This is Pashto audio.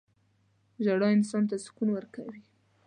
• ژړا انسان ته سکون ورکوي.